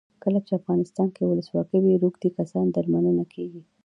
کله چې افغانستان کې ولسواکي وي روږدي کسان درملنه کیږي.